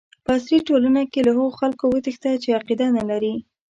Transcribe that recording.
په عصري ټولنه کې له هغو خلکو وتښته چې عقیده نه لري.